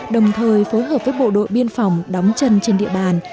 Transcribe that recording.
đồng thời phối hợp với bộ đội biên phòng đóng chân trên địa bàn